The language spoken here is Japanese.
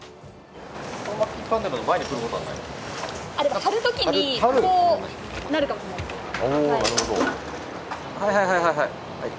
はいはいはいはいはい。